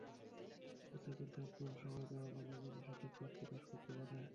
আশা করছি, আপনারা সবাই দোয়া করবেন যেন সঠিক প্রার্থী পাস করতে পারে।